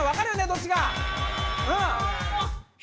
どっちか。